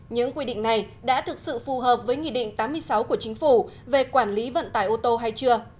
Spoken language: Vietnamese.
những quy định này đã thực sự phù hợp với nghị định tám mươi sáu của chính phủ về quản lý vận tải ô tô hay chưa